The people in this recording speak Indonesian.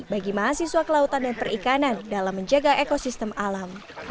bagi mahasiswa kelautan dan perikanan dalam menjaga ekosistem alam